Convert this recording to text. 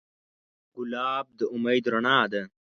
ګلاب د امید رڼا ده.